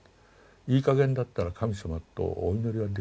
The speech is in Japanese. いいかげんだったら神様とお祈りはできなかったろうと。